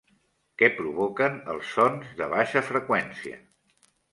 Què provoquen els sons de baixa freqüència?